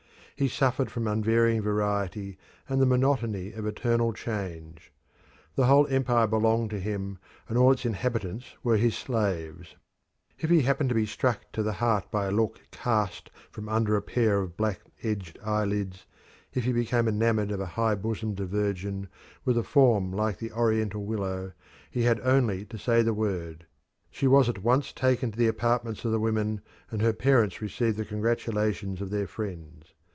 He suffered from unvarying variety and the monotony of eternal change. The whole empire belonged to him, and all its inhabitants were his slaves. If he happened to be struck to the heart by a look cast from under a pair of black edged eyelids, if he became enamoured of a high bosomed virgin, with a form like the oriental willow, he had only to say the word; she was at once taken to the apartments of the women, and her parents received the congratulations of their friends.